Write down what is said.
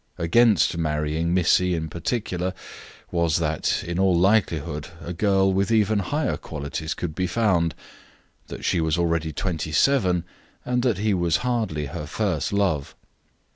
Against marrying Missy in particular, was, that in all likelihood, a girl with even higher qualities could be found, that she was already 27, and that he was hardly her first love.